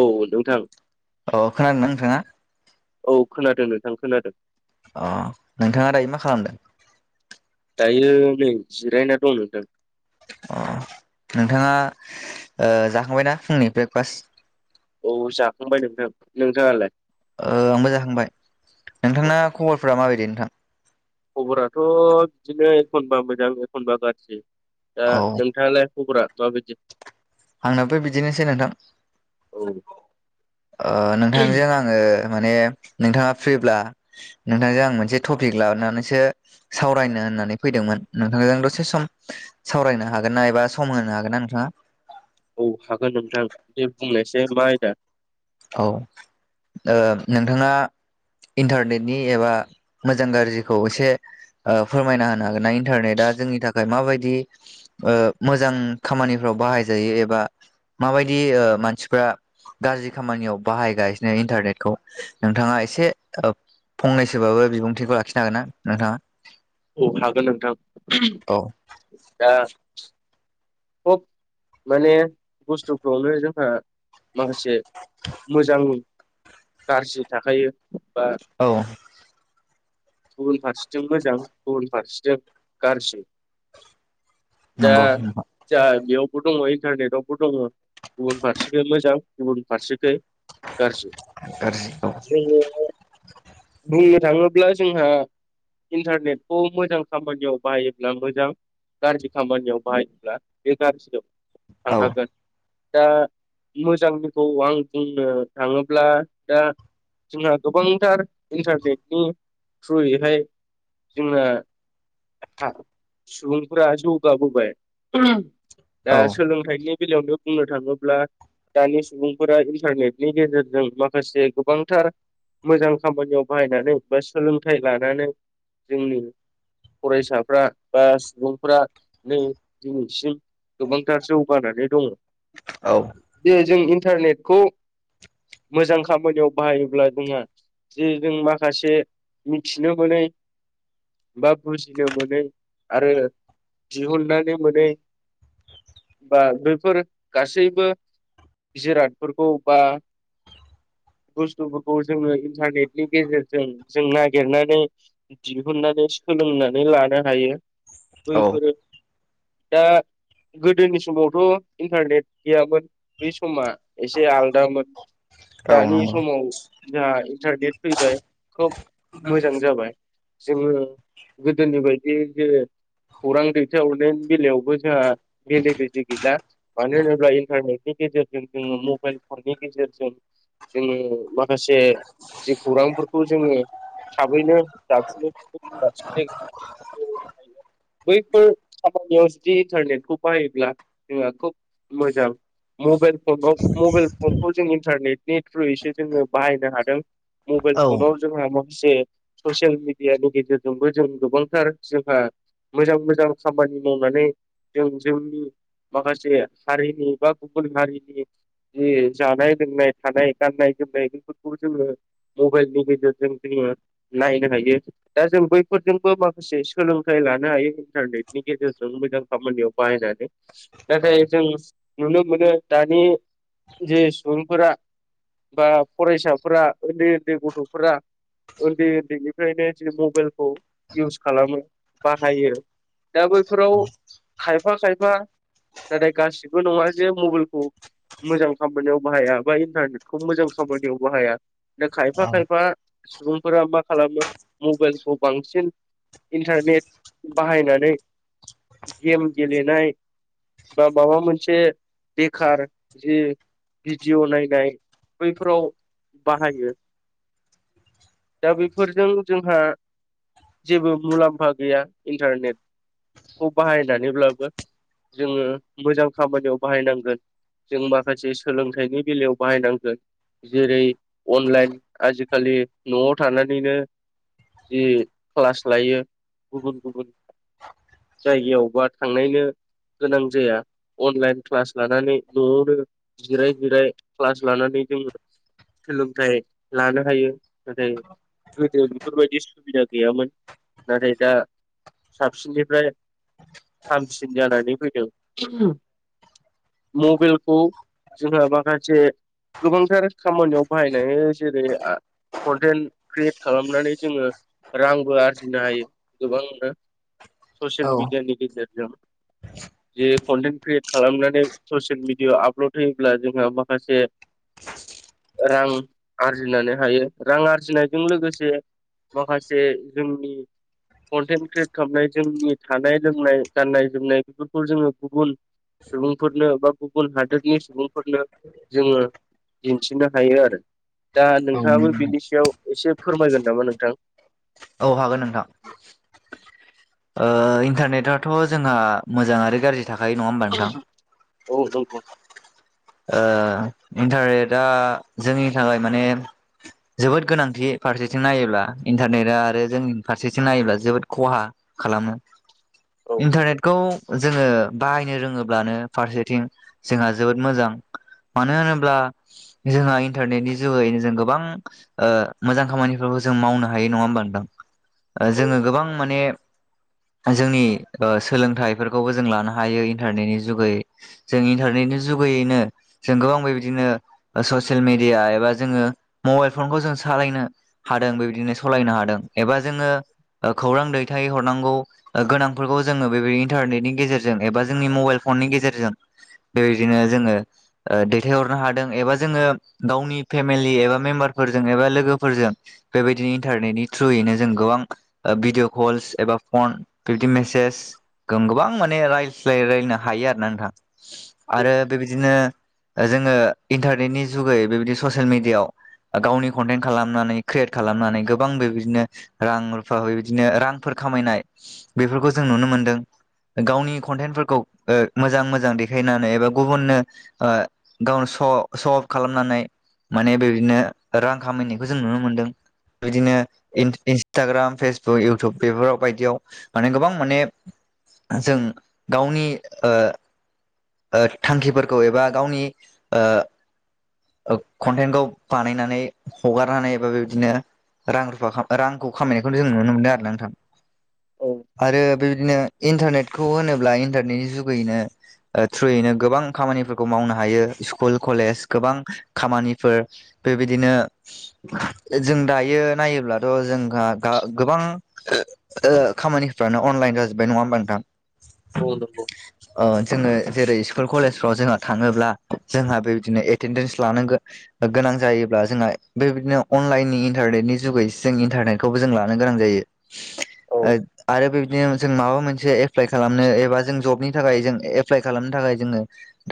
औ नोंथां अ खोनादोंना नोंथाङा औ खोनादों नोंथां खोनादों अ नोंथाङा दायो मा खालामदों दायो नै जिरायना दं नोंथां अ नोंथाङा जाखांबायना फुंनि ब्रेकफास्ट औ जाखांबाय नोंथां नोंथाङालाय आंबो जाखांबाय औ नोंथांना खबरफोरा माबायदि नोंथां खबराथ' बिदिनो एखनबा मोजां एखनबा गाज्रि दा औ नोंथाङालाय खुब्रा जाबदि आंनाबो बिदिनोसै नोंथां औ नोंथांजों आङो माने नोंथाङा फ्रिब्ला नोंथांजों आं मोनसे टपिक लाबोनानैसो सावरायनो होननानै फैदोंमोन नोंथांजों दसे सम सावरायनो हागोन ना एबा सम होनो हागोन ना नोंथाङा? औ हागोन नोंथां दे बुंनायसै मा आयदा। औ नोंथाङा। इन्टारनेटनि एबा मोजां गाज्रिखौ एसे फोरमायना होनो हागोन ना इन्टारनेटआ जोंनि थाखाय माबायदि मोजां खामानिफ्राव बाहाय जायो एबा माबायदि ओ मानसिफ्रा गाज्रि खामानियाव बाहायगासिनो इन्टारनेटखौ नोंथाङा एसे ओ फंनैसोबाबो बिबुंथिखौ लाखिनो हागोन ना नोंथाङा? औ हागोन नोंथां दा खब माने बुस्थुफ्रावनो जोंहा माखासे मोजां गाज्रि थाखायो। बा औ। गुबुन फारसेथिं मोजां गुबुन फारसेथि गाज्रि। दा नंगौ नोंथां। जा बेयावबो दङ' इन्टारनेटआवबो दङ' गुबुन फारसेखै मोजां गुबुन फारसेखै गाज्रि गाज्रि औ जोङो बुंनो थाङोब्ला जोंहा इन्टारनेटखौ मोजां खामानियाव बाहायोब्ला मोजां गाज्रि खामानियाव बाहायोब्ला बे गाज्रियाव औ थांखागोन। दा मोजांनिखौ आं बुंनो थाङोब्ला दा जोंना गोबांथार इन्टारनेटनि थ्रुयैहाय जोंना [unintelligible] सुबुंफोरा जौगाबोबाय दा औ सोलोंथाइनि बेलायावनो बुंनो थाङोब्ला दानि सुबुंफोरा इन्टारनेटनि गेजेरजों माखासे गोबांथार मोजां खामानियाव बाहायनानै बा सोलोंथाइ लानानै जोंनि फरायसाफ्रा बा सुबुंफ्रा नै दिनैसिम गोबांथार जौगानानै दङ' औ जे जों इन्टारनेटखौ मोजां खामानियाव बाहायोब्ला जोंहा जे जों माखासे मिथिनो मोनै बा बुजिनो मोनै आरो दिहुननानै मोनै बा बेफोर गासैबो जिरादफोरखौ बा बुस्थुफोरखौ जोङो इन्टारनेटनि गेजेरजों जों नागिरनानै दिहुननानै सोलोंनानै लानो हायो। बैफोरो दा गोदोनि समावथ' इन्टारनेट गैयामोन। बे समा एसे आलदामोन औ दानि नंगौ समाव जोंहा इन्टारनेट फैबाय खोब मोजां जाबाय ‌ जोङो गोदोनि बायदि जे खौरां दैथायहरनायनि बेलायावबो जोंहा बेले बेजे गैला मानो होनोब्ला इन्टारनेट नि गेजेरजों जोङो मबाइल फननि गेजेरजों जोङो माखासे जि खौरांफोरखौ जोङो थाबैनो दाबसेनिफ्राय गुबुन दाबसे जायगायाव [unintelligible] बैफोर खामानियाव जुदि इन्टारनेटखौ बाहायोब्ला जोंहा खोब मोजां मबाइल फनाव मबाइल फनखौ जों इन्टारनेटनि थ्रुयैसो जोङो बाहायनो हादों। मबाइल औ फनाव जोंहा जे ससियेल मिडियानि गेजेरजोंबो जों गोबांथार जोंहा मोजां मोजां खामानि मावनानै जों जोंनि माखासे हारिनि बा गुबुन हारिनि जि जानाय लोंनाय थानाय गाननाय जोमनाय बेफोरखौबो जोङो मबाइलनि गेजेरजों जोङो नायनो हायो दा जों बैफोरजोंबो माखासे सोलों थाय लानो हायो इन्टारनेटनि गेजेरजों मोजां खामानियाव बाहायनानै औ नाथाय जों नुनो मोनो दानि जे सुबुंफोरा बा फरायसाफोरा उन्दै उन्दै गथ'फोरा उन्दै उन्दैनिफ्रायनो ज मबाइलखौ इउस खालामो बाहायो दा बैफोराव खायफा खायफा नाथाय गासिबो नङा जे मबाइलखौ मोजां खामानियाव बाहाया बा इन्टारनेटखौ मोजां खामानियाव बाहाया दा खायफा औ खायफा सुबुंफोरा मा खालामो मबाइलखौ बांसिन इन्टारनेट बाहायनानै गेम गेलेनाय बा माबा मोनसे बेखार जि भिडिय' नायनाय बैफोराव बाहायो दा बेफोरजों जोंहा जेबो मुलाम्फा गैया इन्टारनेटखौ बाहायनानैब्लाबो जोङो मोजां खामानियाव बाहायनांगोन जों माखासे सोलोंथाइनि बेलायाव बाहायनांगोन जेरै अनलाइन आजिखालि न'आव थानानैनो जि क्लास लायो गुबुन गुबुन जायगायाव बा थांनायनो गोनां जाया अनलाइन क्लास लानानै न'आवनो जिराय जिराय क्लास लानानै जोंङो सोलोंथायाइ लानो हायो नाथाय गोदो बेफोरबायदि सुबिदा गैयामोन नाथाय दा साबसिननिफ्राय हामसिन जानानै फैदों मबाइलखौ जोंहा माखासे गोबांथार खामानियाव बाहायनाय जेरै कन्टेन्ट क्रियेट खालामनानै जोङो रांबो आरजिनो हायो गोबांनो औ ससियेल मिडिया नि गेजेर जों [inaudible] जे कन्टेन्ट क्रियेट खालामनानै ससियेल मिडियाआव आपलड होयोब्ला जोंहा माखासे [inaudible] रां आरजिनानै हायो रां आरजिनायजों लोगोसे माखासे जोंनि कन्टेन्ट क्रियेट खालामनाय जोंनि थानाय लोंनाय गाननाय जोमनाय बेफोरखौ जोङो गुबुन सुबुंफोरनो बा गुबुन हादोरनि सुबुंफोरनो जोङो दिन्थिनो हायो आरो दा नोंथाङाबो बिनि सायाव एसे फोरमायगोन नामा नोंथां औ हागोन नोंथां। ओ इन्टारनेटथ' जोंहा मोजां आरो गाज्रि थाखायो नङा होमबा नोंथां। औ नंगौ। ओ इन्टारनेटआ जोंनि थाखाय माने जोबोद गोनांथि फारसेथिं नायोब्ला इन्टारनेटआ आरो जोंनि फारसेथिं नायोब्ला जोबोद खहा खालामो। औ इन्टारनेटखौ जोङो बाहायनो रोङोब्लानो फारसेथिं जोंहा जोबोद मोजां मानो होनोब्ला जोंहा इन्टारनेटनि जुगैनो जों गोबां ओ मोजां खामा निखौ जों मावनो हायो नङा होमबा नोंथां औ जोङो नंगौ गोबां माने जोंनि ओ सोलोंथाइफोरखौबो जों लानो हायो इन्टारनेटनि जुगै जों इन्टारनेटनि जु बैयैनो जों गोबां बेबायदिनो ससियेल मिडिया एबा जोङो मबाइल फनखौ जों सालायनो हादों बेबायदिनो सलायनो हादों एबा जोङो ओ खौरां दैथाय हरनांगौ गोनांफोरखौ जोङो बेबायदि इन्टारनेटनि गेजेरजों एबा जोंनि मबाइल फननि गेजेरजों बेबायदिनो जोङो ओ दैथायहरनो हादों एबा जोङो गावनि फेमिलि एबा मेम्बारफोरजों एबा लोगोफोरजों बेबायदिनो इन्टारनेटनि थ्रुयैनो जों गोबां ओ भिडिअ कल्स एबा फन बिब्दि मेसेज जों गोबां माने रायज्लायलायनो हायो आरोना नोंथां आरो बेबायदिनो जोङो इन्टारनेटनि जुगै बेबायदि ससियेल मिडियायाव गावनि कन्टेन्ट खालामनानै क्रियेट खालामनानै गोबां बे बिदिनो रां रुफा बिदिनो रांफोरखौ खामायनाय बेफोरखौ जों नुनो मोनदों। गावनि कनटेन्फोरखौ ओ मोजां मोजां देखायनानै एबा गुबुननो ओ गावनो स' स' अफ खालामनानै माने बेबायदिनो रां खामायनायखौ जों नुनो मोनदों। बिदिनो औ इन इन्सटाग्राम फेस बुक, इउटुब बेफोराव बायदियाव माने गोबां माने जों गावनि ओ ओ थांखिफोरखौ एबा गावनि ओ ओ कनटेन्टखौ बानायनानै हगारनानै एबा बेबादिनो रां रुफा रांखौ खामायनायखौनो जों नुनो मोनदों आरो ना नोंथां औ आरो बेबायदिनो इन्टारनेटखौ होनोब्ला इन्टारनेटनि जुगैैनो ओ थ्रुयैनो गोबां खामानिफोर खौ मावनो हायो स्कुल, कलेज गोबां खामानिफोर बेबायदिनो जों दायो नायोब्लाथ' जोंहा दा गोबां ओ खामानिफ्रानो अन लाइन जाजोबबाय नङा होनबा नोंथां औ नंगौ ओ जोङो जेरै स्कुल, कलेजफ्राव जोंहा थाङोब्ला जोंहा बेबायदिनो एटेनडेन्स लानो गो गोनां जायोब्ला जोंहा बेबायदिनो अन लाइनि इटारनेटनि जुगै जों इन्टारनेटखौबो जों लानो गोनां जायो औ आ आरो बे दिनो जों माबा मोनसे एप्लाइ खालामनो एबा जों जबनि थाखाय जों एप्लाइ खालामनो थाखाय जोङो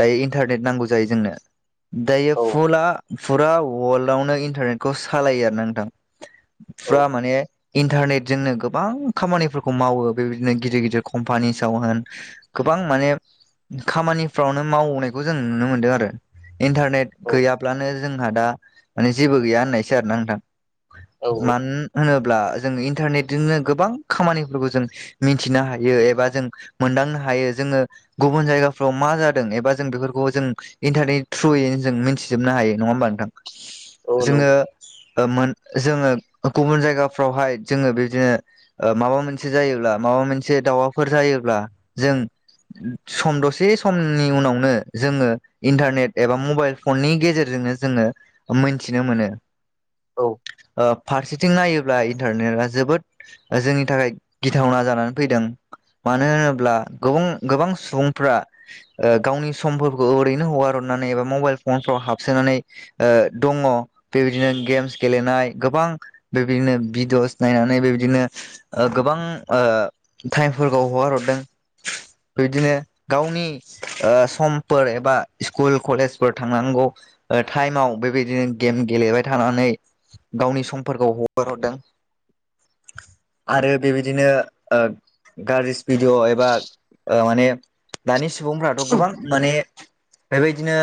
दायो इन्टारनेट नांगौ जायो जोंनो दायो औ फुला फुराव अवार्ल्डआवनो इन्टारनेटखौ सालायो आरो ना नोंथां फुरा माने इन्टारनेट जोंनो गोबां खामानिफोरखौ मावो बेबायदिनो गिदिर-गिदिर कम्पानिसाव होन गो बां माने खामानिफ्रावनो मावनायखौ जों नुनो मोनदों आरो इन्टारनेट औ गैयाब्लानो जोंहा दा माने जेबो गैया होननायसो आरोना नोंथां औ औ मानो होनो ब्ला जों इन्टारनेटजोंनो गोबां खामानिफोरखौ जों मिथिनो हायो एबा जों मोनदांनो हा यो जोङो गुबुन जायगाफ्राव मा जा दों एबा जों बेफोरखौ जों इन्टारनेट ट्रुयैनो जों मिथिजोबनो हायो नङा होमबा नोंथां। औ जोङो नंगौ ओ मोन जोङो गुबुन जायगाफ्रावहाय जोङो बिदिनो ओ माबा मोनसे जायोब्ला माबा मोनसे माबाफोर जायोब्ला जों सम दसे सम नि उनावनो जोङो इन्टारनेट एबा मबाइल फननि गेजेरजोंनो जोङो मोनथिनो मोनो औ। ओ फारसेथिं नायोब्ला इन्टारनेटआ जोबोद जोंनि थाखाय गिथावना जानानै फैदों मानो होनोब्ला गोबां गोबां सुबुंफ्रा ओ गावनि समफोरखौ ओरैनो हगारहरनानै एबा मबाइल फनफ्राव हाबसोनानै ओ दङ बेबायदिनो गेम्स गेलेनाय गोबां बेबायदिनो भिडिअस नायनानै बेबायदिनो ओ गोबां ओ टाइमफोरखौ हगार हरदों बिदिनो गावनि ओ समफोर एबा स्कुल कलेजफोर थांनांगौ ओ टाइमाव बेबायदिनो गेम गेलेबाय थानानै गावनि समफोरखौ हगार हरदों। आरो बेबायदिनो ओ गाज्रिस भिडिअ' एबा ओ माने दानि सुबुंफ्राथ' गोबां माने बेबायदिनो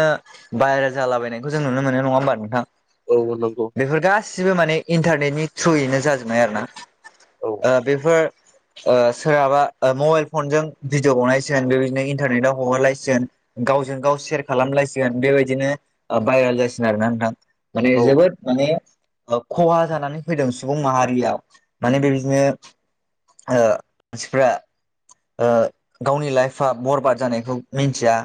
बायेरेल जालाबायनायखौ जों नुनो मोनो नङा होमबा नोंथां? औ नंगौ बेफोर गासिबो माने इन्टारनेटनि थ्रुयैनो जाजोबबाय आरोना? औ ओ बेफोर ओ सोरहाबा ओ मबाइल फनजों भिडिअ बनायसिगोन बेबायदिनो इन्टारनेटव हगारलायसिगोन गावजों गाव सेयार खालामलायसिगोन बेबायदिनो ओ भाइरेल जासिगोन आरोना नोंथां माने औ जोबोद माने ओ खहा जानानै फैदों सुबुं माहारियाव माने बेबायदिनो ओ मानसिफ्रा ओ गावनि लाइफआ बरबाद जानाय खौ मिथिया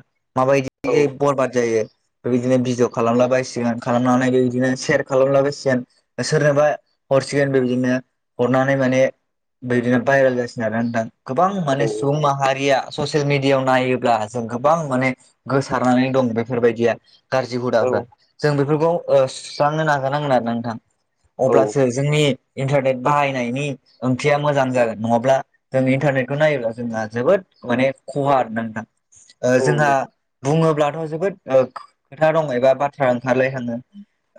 औ माबायदि बरबाद जायो बिदिनो भिडिअ खालामला बायसिगोन खालामनानै बिदिनो सेयार खालामला बायसिगोन सोरनोबा हरसिगोन बेबायदिनो हरनानै माने बिदिनो भाइरेल जासिगोन आरोना नोंथां। गोबां औ माने सुबुं माहारिया ससियेल मिडियायाव नायो ब्ला जों गोबां माने गोसारनानै दं बेफोरबायदिया गाज्रि हुदाफ्रा औ जों बेफोरखौ ओ सुस्रांनो नाजानांगोन आरो ना नोंथां? औ अब्लासो जोंनि इन्टारनेट बाहायनायनि ओंथिया मोजां जागोन नङाब्ला जों इन्टारनेटखौ नायोब्ला जोंहा जोबोद माने खहा आरो ना नोंथां ओ औ जोंहा नंगौ बुङोब्ला थ जोबोद ओ खोथा दङ एबा बाथ्रा ओंखारलाय होनो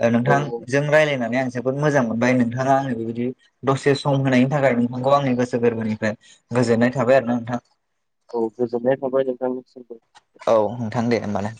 ओ औ औ नोंथांजों रायलायनानै नै आं जोबोद मोजां मोनबाय नोंथाङा आनो बेबायदि दसे सम होनायनि थाखाय नोंथांगौ आंनि गोसो गोरबोनिफ्राय गोजोननाय थाबाय आरो ना नोंथां? औ गोजोननाय थाबाय नोंथांनिसिमबो। औ नोंथां दे होमबालाय।